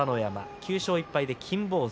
９勝１敗で金峰山。